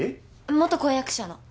元婚約者の。